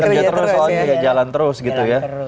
kerja terus soalnya ya jalan terus gitu ya